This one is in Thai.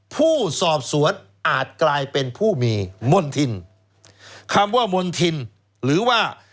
ผู้สอบสวนอาจกลายเป็นผู้มีมณฑินคำว่ามณฑินหรือว่า